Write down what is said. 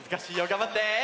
がんばって！